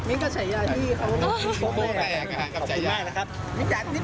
มิ้งโก้แชยาที่เขามิ้งโก้แชยาขอบคุณมากนะครับ